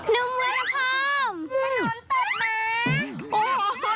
นุ้มมือระภอมหน่วงตอบมา